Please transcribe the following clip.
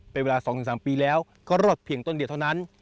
เป็นเวลา๒๓ปีแล้วก็รอดเพียงต้นเดียวเท่านั้น